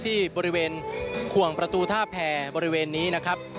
ที่บริเวณขวงประตูท่าแผ่บริเวณนี้นะครับ